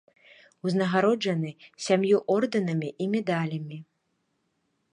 Узнагароджаны сям'ю ордэнамі і медалямі.